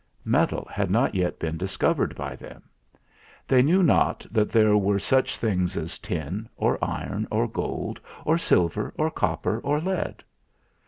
Metal had not yet been discovered by them. They knew not that there were such things as tin, or iron, or gold, or silver, or copper, or lead.